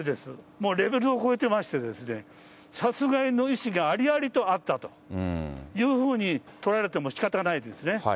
もうレベルを超えていましてですね、殺害の意思がありありとあったというふうに取られてもしかたがないですね。